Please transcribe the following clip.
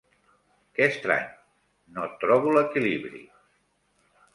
Que estrany, no trobo l'equilibri!